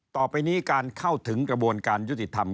ต่อไปนี้การเข้าถึงกระบวนการยุติธรรม